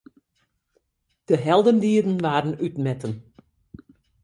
De heldendieden waarden útmetten.